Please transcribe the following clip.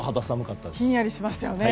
ひんやりしましたよね。